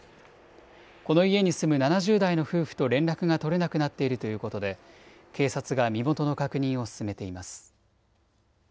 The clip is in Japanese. この家に住む７０代の夫婦と連絡が取れなくなっているということで、警察が身元の確認を進めています。